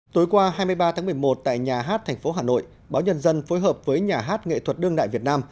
tối qua hai mươi ba tháng một mươi một tại nhà hát thành phố hà nội báo nhân dân phối hợp với nhà hát nghệ thuật đương đại việt nam